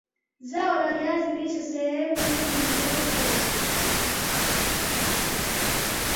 zao la viazi lishe sehemu nyingi duniani kote